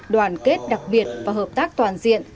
đoàn kết đặc biệt và hợp tác toàn diện